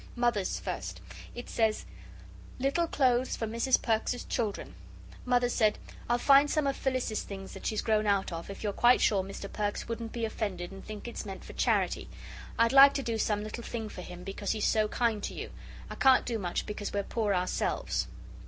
"Mother's first. It says: "'Little Clothes for Mrs. Perks's children.' Mother said, 'I'll find some of Phyllis's things that she's grown out of if you're quite sure Mr. Perks wouldn't be offended and think it's meant for charity. I'd like to do some little thing for him, because he's so kind to you. I can't do much because we're poor ourselves.'"